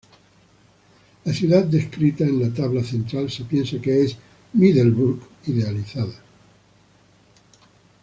La ciudad descrita en la tabla central se piensa que es Middelburg idealizada.